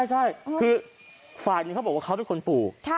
ใช่คือฝ่ายหนึ่งเขาบอกว่าเขาเป็นคนปู่